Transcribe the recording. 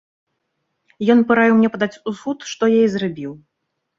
Ён параіў мне падаць у суд, што я і зрабіў.